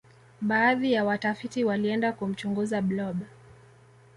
baadhi ya watafiti walienda kumchunguza blob